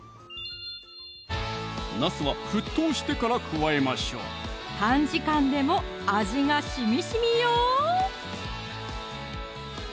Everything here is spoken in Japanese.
なすは沸騰してから加えましょう短時間でも味がしみしみよ